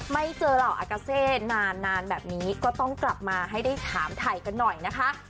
ไม่เจอเหล่าอากาเซนานแบบนี้ก็ต้องกลับมาให้ได้ถามถ่ายกันหน่อยนะคะ